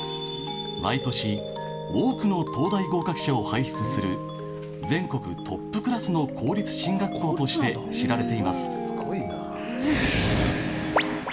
毎年多くの東大合格者を輩出する全国トップクラスの公立進学校として知られています。